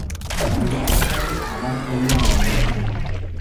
La revista Salon abarca una variedad de temas.